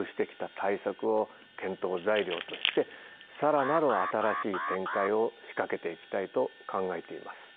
材料として更なる新しい展開を仕掛けていきたいと考えています。